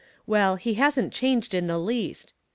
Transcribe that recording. Well, he hasn't changed in the least.